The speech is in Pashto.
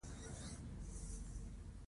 هغه به د کور خاوند شوی وي.